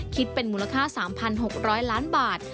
คิดเป็นมูลค่า๓๖๐๐ล้านบาท